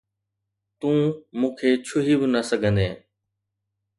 تون مون کي ڇهي به نه سگهندين